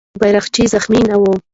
بیرغچی زخمي نه و.